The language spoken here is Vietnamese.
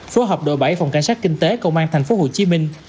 phối hợp đội bảy phòng cảnh sát kinh tế công an thành phố hồ chí minh